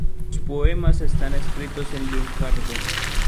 Sus poemas están escritos en lunfardo.